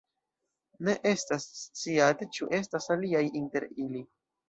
Ne estas sciate ĉu estas aliaj inter ili.